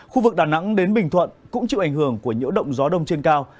khu vực đà nẵng đến bình thuận cũng chịu ảnh hưởng của nhiễu động gió đông trên cao